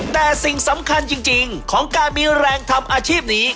แต่สิ่งสำคัญจริงของการมีแรงทำอาชีพนี้